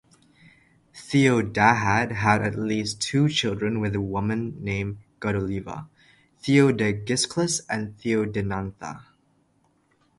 Theodahad had at least two children with a woman named Gudeliva: Theodegisclus and Theodenantha.